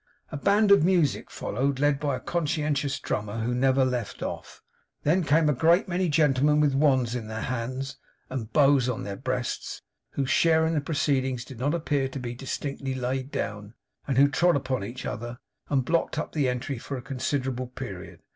A band of music followed, led by a conscientious drummer who never left off. Then came a great many gentlemen with wands in their hands, and bows on their breasts, whose share in the proceedings did not appear to be distinctly laid down, and who trod upon each other, and blocked up the entry for a considerable period.